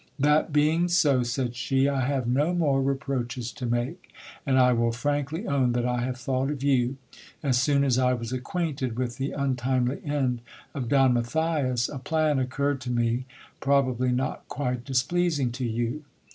That being so, said she, I have no more reproaches to make ; and I will frankly ovn that I have thought of you. As soon as I was acquainted with the un ti nely end of Don Matthias, a plan occurred to me, probably not quite dis p. easing to you.